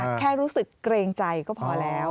แค่รู้สึกเกรงใจก็พอแล้ว